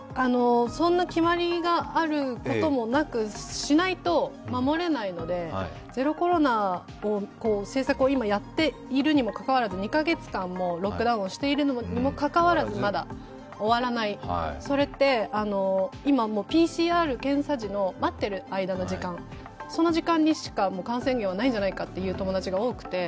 そんな決まりがあることもなくしないと守れないので、ゼロコロナの政策をやっているにもかかわらず２カ月間、もうロックダウンしているにもかかわらず、まだ終わらない、それって、今、ＰＣＲ検査時の待ってる間の時間にしか感染源はないんじゃないかという友達も多くて。